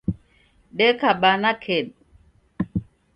deka bana kedu